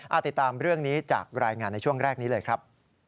ติดตามเรื่องนี้จากรายงานในช่วงแรกนี้เลยครับ